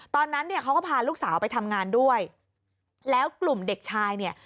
ตอนนั้นเนี่ยเขาก็พาลูกสาวไปทำงานด้วยแล้วกลุ่มเด็กชายเนี่ย